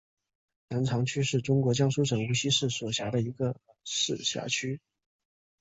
南长区是中国江苏省无锡市所辖的一个市辖区。